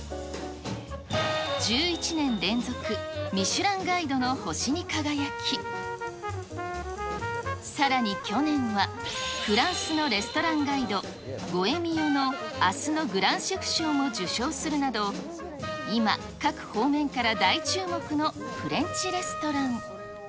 １１年連続ミシュランガイドの星に輝き、さらに去年は、フランスのレストランガイド、ゴ・エ・ミヨの明日のグランシェフ賞も受賞するなど、今各方面から大注目のフレンチレストラン。